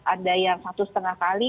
ada yang satu setengah kali